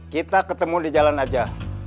kita ketemu di jalan aja